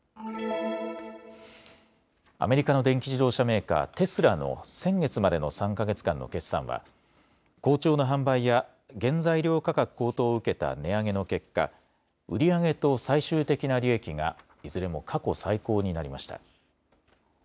アメリカの電気自動車メーカー、テスラの先月までの３か月間の決算は好調な販売や原材料価格高騰を受けた値上げの結果、売り上げと最終的な利益がいずれも過去最高になりました。